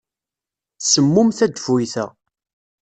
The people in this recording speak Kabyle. Semmum tadeffuyt-a.